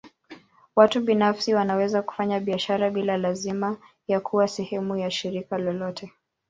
Watu binafsi wanaweza kufanya biashara bila lazima ya kuwa sehemu ya shirika lolote.